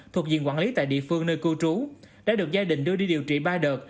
thuộc diện quản lý tại địa phương nơi cư trú đã được gia đình đưa đi điều trị ba đợt